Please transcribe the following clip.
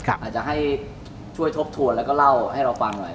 อาจจะให้ช่วยทบทวนแล้วก็เล่าให้เราฟังหน่อย